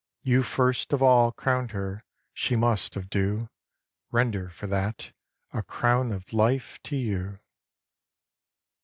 You first of all crown'd her; she must, of due, Render for that, a crown of life to you.